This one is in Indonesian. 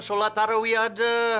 sholat tarawih ada